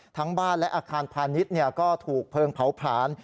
ทั้งบ้านและอาคารพาณิชย์ก็ถูกเพลิงเผาผลาญ